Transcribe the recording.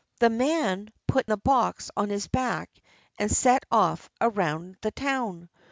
The man put the box on his back and set off around the town.